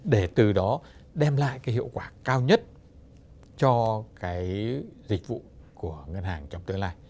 để từ đó đem lại cái hiệu quả cao nhất cho cái dịch vụ của ngân hàng trong tương lai